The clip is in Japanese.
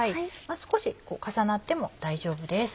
少し重なっても大丈夫です。